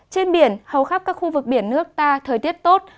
trên biển hầu khắp các khu vực biển nước ta thời tiết tốt